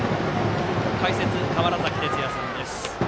解説、川原崎哲也さんです。